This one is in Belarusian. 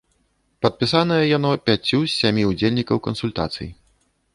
Падпісанае яно пяццю з сямі ўдзельнікаў кансультацый.